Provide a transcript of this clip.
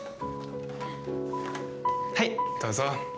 はい、どうぞ。